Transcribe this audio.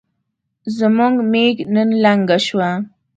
زموږ ميږ نن لنګه شوه